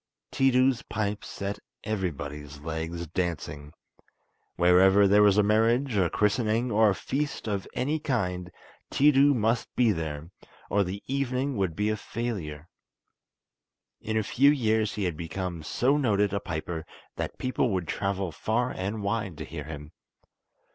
Tiidu's pipes set everybody's legs dancing. Wherever there was a marriage, a christening, or a feast of any kind, Tiidu must be there, or the evening would be a failure. In a few years he had become so noted a piper that people would travel far and wide to hear him.